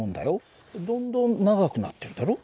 どんどん長くなってるだろ？